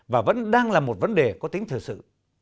và vẫn đang là một vấn đề có tính thừa sự